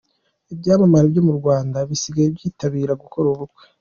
Ibyamamare byo mu Rwanda bisigaye byitabira gukora ubukwe.